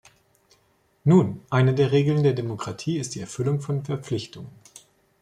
Nun, eine der Regeln der Demokratie ist die Erfüllung von Verpflichtungen.